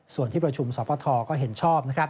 ส่วนที่ประชุมสรรพทธอก็เห็นชอบ